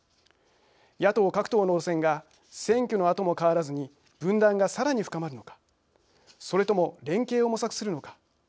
野党各党の路線が選挙のあとも変わらずに分断がさらに深まるのかそれとも連携を模索するのか。